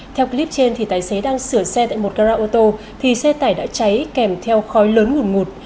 theo clip trên thì tài xế đang sửa xe tại một cao rao ô tô thì xe tải đã cháy kèm theo khói lớn ngủn ngụt